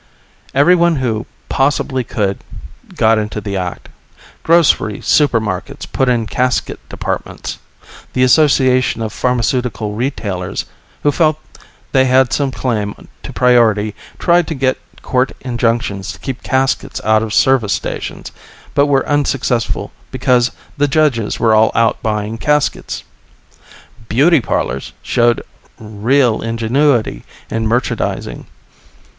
Everyone who possibly could got into the act. Grocery supermarkets put in casket departments. The Association of Pharmaceutical Retailers, who felt they had some claim to priority, tried to get court injunctions to keep caskets out of service stations, but were unsuccessful because the judges were all out buying caskets. Beauty parlors showed real ingenuity in merchandising.